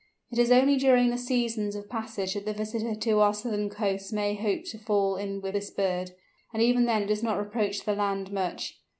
It is only during the seasons of passage that the visitor to our southern coasts may hope to fall in with this bird, and even then it does not approach the land much.